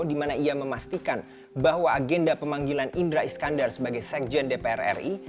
di mana ia memastikan bahwa agenda pemanggilan indra iskandar sebagai sekjen dpr ri